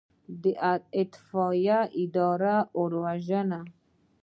د اطفائیې اداره اور وژني